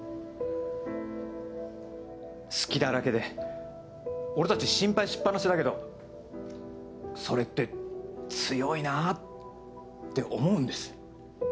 隙だらけで俺たち心配しっ放しだけどそれって強いなぁって思うんです。